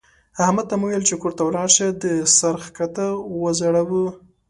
احمد ته مې وويل چې کور ته ولاړ شه؛ ده سر کښته وځړاوو.